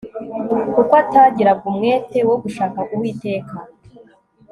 kuko atagiraga umwete wo gushaka uwiteka